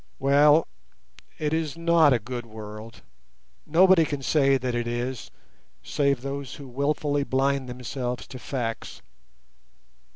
Well, it is not a good world—nobody can say that it is, save those who wilfully blind themselves to facts.